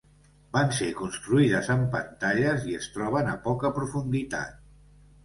Van ser construïdes amb pantalles i es troben a poca profunditat.